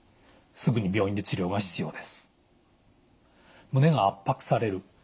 すぐに病院で治療が必要です。